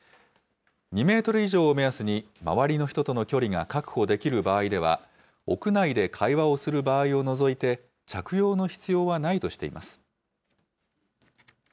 ２メートル以上を目安に、周りの人との距離が確保できる場合では、屋内で会話をする場合を除いて、着用の必要はないとしています。